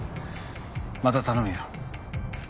また頼むよ。